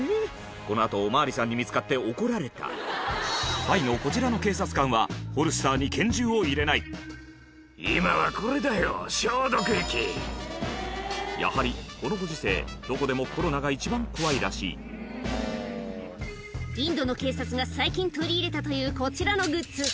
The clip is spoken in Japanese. この後お巡りさんに見つかって怒られたタイのこちらの「今はこれだよ」やはりこのご時世どこでもコロナが一番怖いらしいインドの警察が最近取り入れたというこちらのグッズ